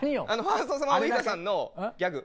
ファーストサマーウイカさんのギャグ。